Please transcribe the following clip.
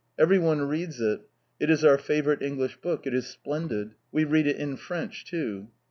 Everyone reads it. It is our favourite English book. It is splendid. We read it in French too."